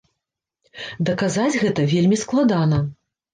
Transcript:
Даказаць гэта вельмі складана.